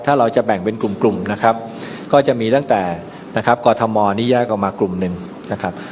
ถ้าเราจะแบ่งเป็นกลุ่มกลุ่มนะครับก็จะมีตั้งแต่นะครับกรทมนี่แยกออกมากลุ่มหนึ่งนะครับ